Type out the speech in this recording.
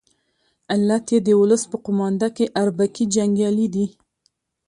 علت یې د ولس په قومانده کې اربکي جنګیالي دي.